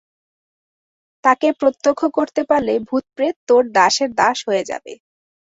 তাঁকে প্রত্যক্ষ করতে পারলে ভূতপ্রেত তোর দাসের দাস হয়ে যাবে।